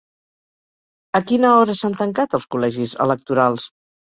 A quina hora s'han tancat els col·legis electorals?